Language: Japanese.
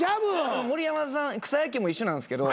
盛山さん草野球も一緒なんすけど。